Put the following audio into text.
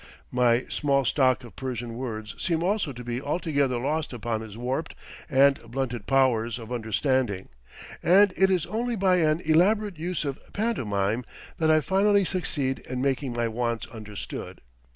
My small stock of Persian words seems also to be altogether lost upon his warped and blunted powers of understanding, and it is only by an elaborate use of pantomime that I finally succeed in making my wants understood.